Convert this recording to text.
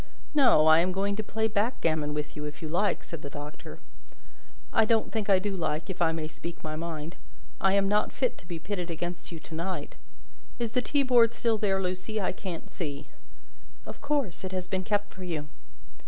"No; I am going to play backgammon with you, if you like," said the Doctor. "I don't think I do like, if I may speak my mind. I am not fit to be pitted against you to night. Is the teaboard still there, Lucie? I can't see." "Of course, it has been kept for you."